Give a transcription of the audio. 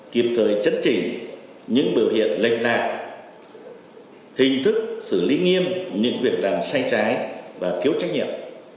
kịp thời chấn chỉnh những biểu hiện lệch lạc hình thức xử lý nghiêm những việc làm sai trái và thiếu trách nhiệm